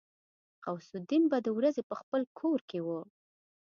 غوث الدين به د ورځې په خپل کور کې و.